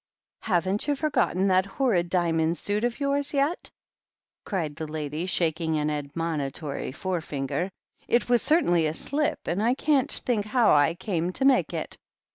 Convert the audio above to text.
"Haven't you forgotten that horrid diamond suit of yours yet?" cried the lady, shaking an admonitory forefinger. "It was certainly a slip, and I can't think how I came to make it."